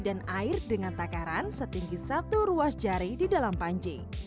air dengan takaran setinggi satu ruas jari di dalam pancing